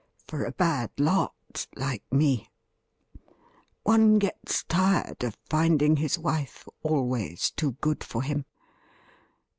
for a bad lot like me. One gets tired of finding his wife always too good for him.